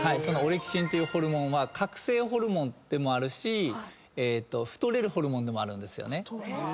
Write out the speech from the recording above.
そのオレキシンというホルモンは覚醒ホルモンでもあるし太れるホルモンでもあるんですよね。